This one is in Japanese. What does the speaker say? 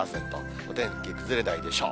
お天気崩れないでしょう。